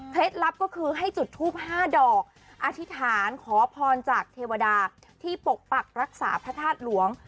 ลับก็คือให้จุดทูป๕ดอกอธิษฐานขอพรจากเทวดาที่ปกปักรักษาพระธาตุหลวง